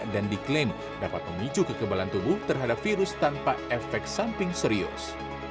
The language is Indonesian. dan diklaim dapat memicu kekebalan tubuh terhadap virus tanpa efek samping serius